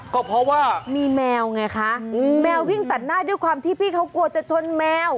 ก็เพราะว่ามีแมวไงคะแมววิ่งตัดหน้าด้วยความที่พี่เขากลัวจะชนแมว